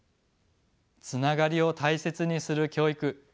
つながりを大切にする教育。